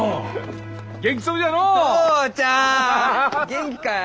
元気かえ？